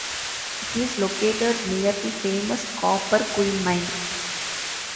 It is located near the famous Copper Queen Mine.